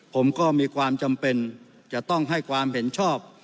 ผมก็มีความจำเป็นจะต้องให้ความเห็นชอบ